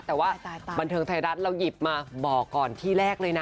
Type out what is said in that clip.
แต่ว่าบันเทิงไทยรัฐเราหยิบมาบอกก่อนที่แรกเลยนะ